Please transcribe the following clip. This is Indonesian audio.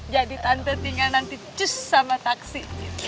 jadi tante tinggal nanti cus sama taksi